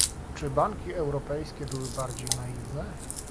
Czy banki europejskie były bardziej naiwne?